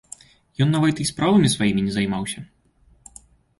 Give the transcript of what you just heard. Ён нават і справамі сваімі не займаўся.